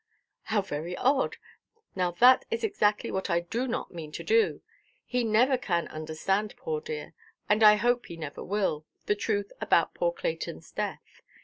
"How very odd! Now that is exactly what I do not mean to do. He never can understand, poor dear, and I hope he never will, the truth about poor Claytonʼs death.